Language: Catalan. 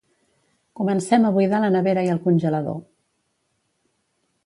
Comencem a buidar la nevera i el congelador